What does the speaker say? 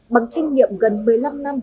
bằng kinh nghiệm gần một mươi năm năm